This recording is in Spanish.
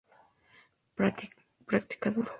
Practica duro.